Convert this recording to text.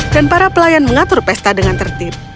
dan para pelayan mengatur pesta dengan tertib